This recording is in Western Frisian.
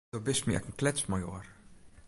Do bist my ek in kletsmajoar.